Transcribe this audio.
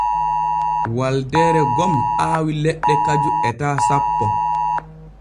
Waldeere gom aawii leɗɗe kaju etaa sanpo.